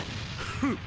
フッ。